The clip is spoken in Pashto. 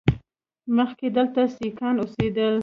مخکې دلته سیکان اوسېدل